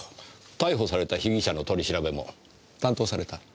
逮捕された被疑者の取り調べも担当された？